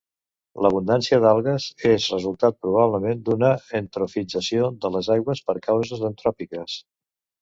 L'abundància d'algues és resultat, probablement, d'una eutrofització de les aigües per causes antròpiques.